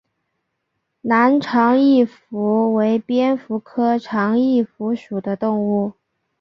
南长翼蝠为蝙蝠科长翼蝠属的动物。